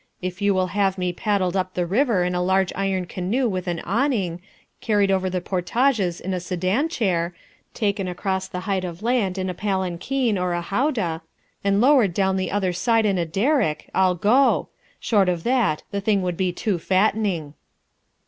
If you will have me paddled up the river in a large iron canoe with an awning, carried over the portages in a sedan chair, taken across the height of land in a palanquin or a howdah, and lowered down the other side in a derrick, I'll go. Short of that, the thing would be too fattening."